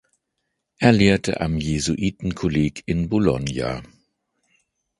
Er lehrte am Jesuitenkolleg in Bologna.